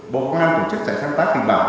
bộ công an tổ chức trại sáng tác kịch bản